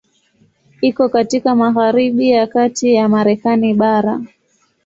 Iko katika magharibi ya kati ya Marekani bara.